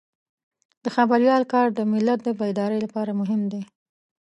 د خبریال کار د ملت د بیدارۍ لپاره مهم دی.